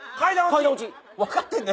分かってんね？